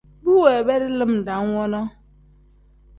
Bu weebedi lim dam wonoo.